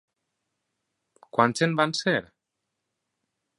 Quants en van ser?